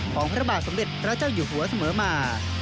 พระบาทสมเด็จพระเจ้าอยู่หัวเสมอมา